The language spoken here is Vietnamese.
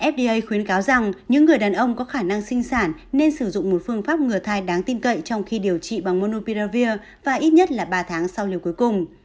fda khuyến cáo rằng những người đàn ông có khả năng sinh sản nên sử dụng một phương pháp ngửa thai đáng tin cậy trong khi điều trị bằng monopiravir và ít nhất là ba tháng sau liều cuối cùng